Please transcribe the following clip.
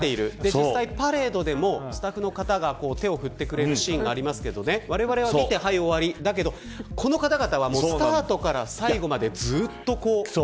実際、パレードでもスタッフの方が手を振ってくれるシーンがありますがわれわれは見て、はい終わりだけどこの方々はスタートから最後までずっと。